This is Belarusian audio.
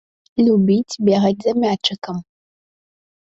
Любіць бегаць за мячыкам.